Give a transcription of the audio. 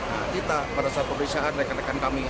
nah kita pada saat pemeriksaan rekan rekan kami